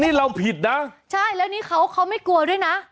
นี่เราผิดนะใช่แล้วนี่เขาเขาไม่กลัวด้วยนะ